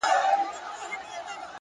هره ستونزه د فرصت بڼه لري.!